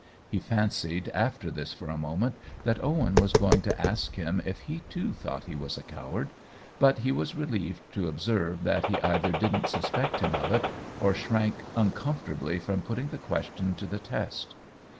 He fancied after this for a moment that Owen was going to ask him if he too thought he was a coward ; but he was relieved to observe that he either didn't suspect him of it or shrank uncomfortably from putting the question to the test.